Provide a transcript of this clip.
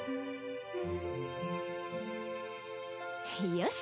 よし！